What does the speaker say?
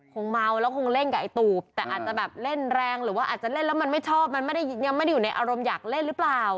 คงเมาแล้วคงเล่นกับไอ้ตูบแต่อาจจะแบบเล่นแรงหรือว่าอาจจะเล่นแล้วมันไม่ชอบมันไม่ได้ยังไม่ได้อยู่ในอารมณ์อยากเล่นหรือเปล่า